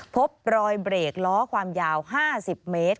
พบรอยเบรกล้อความยาว๕๐เมตร